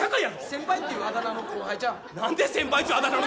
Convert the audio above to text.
先輩というあだ名の後輩ちゃうの？